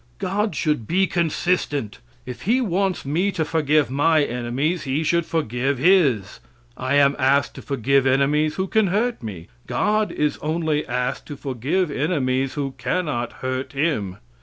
God should be consistent. If He wants me to forgive my enemies, He should forgive His. I am asked to forgive enemies who can hurt me. God is only asked to forgive enemies who cannot hurt Him.